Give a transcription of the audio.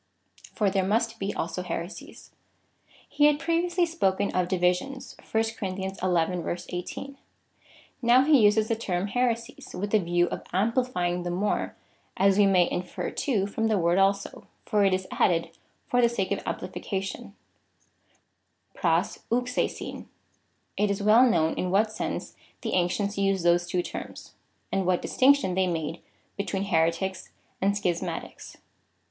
For there must he also heresies. He had previously spoken of divisions, (verse 18.) Now he uses the term here sies, with the view of amplifying the more, as we may infer, too, from the word also, for it is added for the sake of am plification, (tt/jo? av^aiv.) It is well known in what sense the ancients used those two terms,^ and what distinction they made between Heretics and Schismatics.